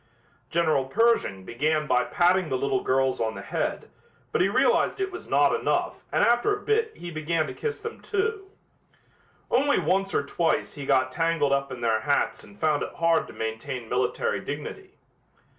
General Pershing began by patting the little girls on the head, but he realized it was not enough and after a bit he began to kiss them, too; only once or twice he got tangled up in their hats and found it hard to maintain military dignity.